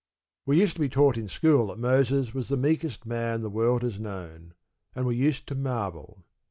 We used to be taught in school that Moses was the meekest man the world has known: and we used to marvel.